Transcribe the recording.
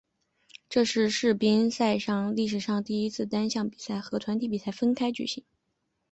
这是世乒赛历史上第一次将单项比赛和团体比赛分开举行。